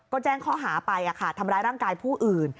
ก็แจ้งข้อหาไปทำร้ายร่างกายผู้อื่น